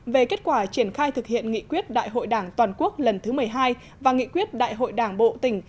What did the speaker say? về kết quả triển khai thực hiện nghị quyết đại hội đảng toàn quốc lần thứ một mươi hai và nghị quyết đại hội đảng bộ tỉnh